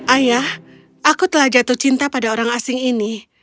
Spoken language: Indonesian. ayah aku telah jatuh cinta pada orang asing ini